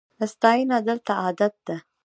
ستاینه دلته عادت ده.